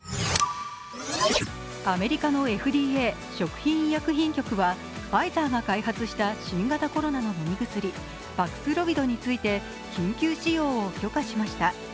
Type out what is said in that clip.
アメリカのＦＤＡ＝食品医薬品局はファイザーが開発した新型コロナの飲み薬パクスロビドについて緊急使用を許可しました。